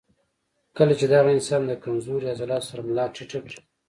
کله چې دغه انسان د کمزوري عضلاتو سره ملا ټېټه کړي